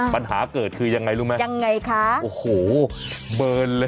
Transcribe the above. ปัญหาเกิดคือยังไงรู้ไหม